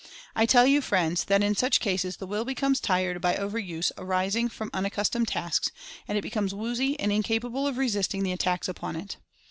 I tell you, friends, that in such cases the Will becomes tired by overuse arising from unaccustomed tasks, and it becomes "woozy" and incapable of resisting the at tacks upon it.